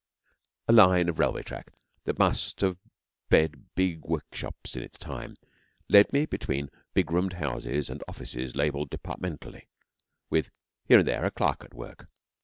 A line of railway track, that must have fed big workshops in its time, led me between big roomed houses and offices labelled departmentally, with here and there a clerk at work.